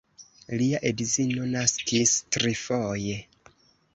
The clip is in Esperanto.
Lia edzino naskis trifoje.